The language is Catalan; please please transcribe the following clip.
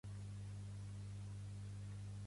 Pertany al moviment independentista l'Isa?